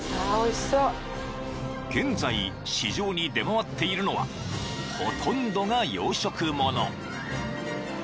［現在市場に出回っているのはほとんどが養殖もの］